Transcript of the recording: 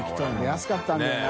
安かったんだよな。